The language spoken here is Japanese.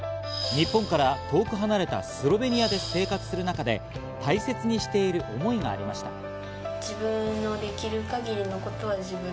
日本から遠く離れたスロベニアで生活する中で大切にしている思いがありました。